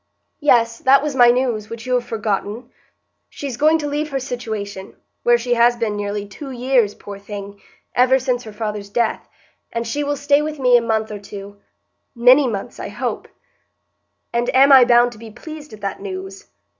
"Yes; that was my news, which you have forgotten. She's going to leave her situation, where she has been nearly two years, poor thing,—ever since her father's death; and she will stay with me a month or two,—many months, I hope." "And am I bound to be pleased at that news?"